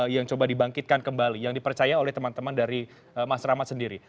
yang coba dibangkitkan kembali yang dipercaya oleh teman teman dari mas rahmat sendiri